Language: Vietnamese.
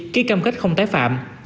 khi cam kết không tái phạm